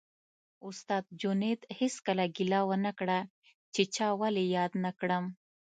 استاد جنید هېڅکله ګیله ونه کړه چې چا ولې یاد نه کړم